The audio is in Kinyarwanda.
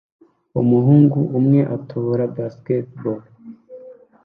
Umuhungu umwe atobora basketball